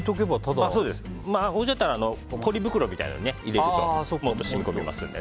おうちだったらポリ袋とかに入れるともっと染み込みますので。